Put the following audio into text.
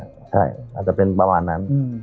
ใช่อาจจะเป็นประมาณนั้น